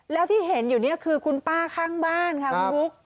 แล้วที่เห็นอยู่นี่คือคุณป้าข้างบ้านค่ะคุณบุ๊ค